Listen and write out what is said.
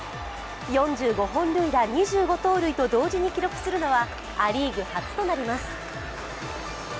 ４５本塁打・２５盗塁と同時に記録するのはア・リーグ初となります。